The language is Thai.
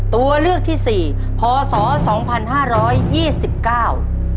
ตัวเลือกที่สี่พศสองพันห้าร้อยยี่สิบเก้า